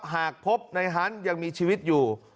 หากพบในฮันต์ยังมีชีวิตอยู่